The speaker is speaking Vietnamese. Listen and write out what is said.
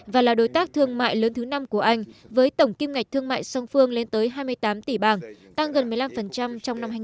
và là đối tác thương mại lớn thứ năm của anh với tổng kim ngạch thương mại song phương lên tới hai mươi tám tỷ bảng tăng gần một mươi năm trong năm hai nghìn một mươi bảy